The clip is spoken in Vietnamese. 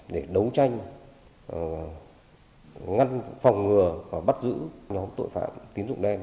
để đấu tranh ngăn phòng ngừa và bắt giữ nhóm tội phạm tín dụng đen